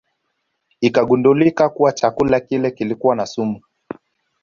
Ikagundulika kuwa chakula kile kilikuwa na sumu